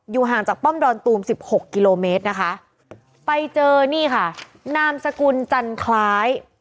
อยู่ห่างจากป้อมดอนตูม๑๖กิโลเมตรไปเจอนี่ค่ะนามสกุลจันคร้าย